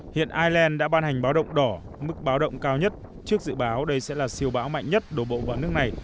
hiện ireland đã ban hành báo động đỏ mức báo động cao nhất trước dự báo đây sẽ là siêu bão mạnh nhất đổ bộ vào nước này